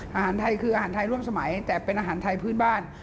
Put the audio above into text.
อาหารไทยคืออาหารไทยร่วมสมัยแต่เป็นอาหารไทยพื้นบ้าน